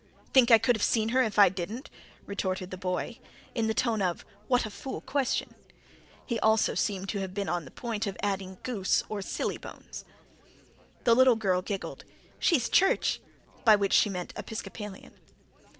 "Think I could have seen her if I didn't?" retorted the boy, in the tone of: "What a fool question!" He also seemed to have been on the point of adding: "Goose," or "Sillybones." The little girl giggled. "She's church" by which she meant episcopalian.